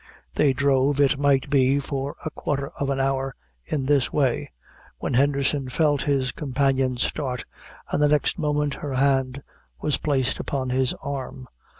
They drove, it might be, for a quarter of an hour, in this way, when Henderson felt his companion start, and the next moment her hand was placed upon his arm.